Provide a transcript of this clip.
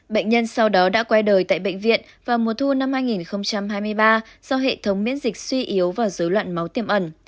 bệnh nhân sau đó đã quay đời tại bệnh viện vào mùa thu năm hai nghìn hai mươi ba do hệ thống miễn dịch suy yếu và dối loạn máu tiêm ẩn